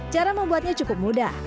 cara membuatnya cukup mudah